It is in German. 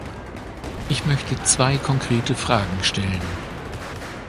Ich möchte zwei konkrete Fragen stellen.